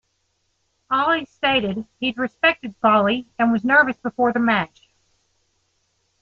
Ali stated he'd respected Folley and was nervous before the match.